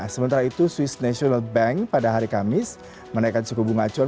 sementara itu swiss national bank pada hari kamis menaikkan suku bunga acuan